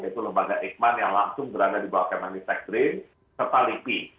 yaitu lembaga ikman yang langsung berada di bawah kementerian teknik serta lipi